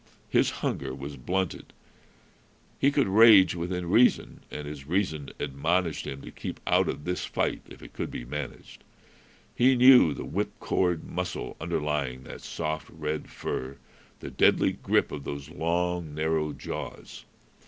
His hunger was blunted. He could rage within reason, and his reason admonished him to keep out of this fight if it could be managed. He knew the whipcord muscle underlying that soft red fur, the deadly grip of those long, narrow jaws.